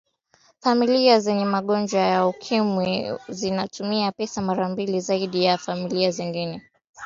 familia zenye mgonjwa wa ukimwi zinatumia pesa mara mbili zaidi ya familia nyingine